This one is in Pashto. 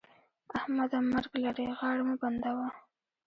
احمده! مرګ لرې؛ غاړه مه بندوه.